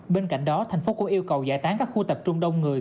bên cạnh đó thành phố cũng yêu cầu giải tán các khu tập trung đông người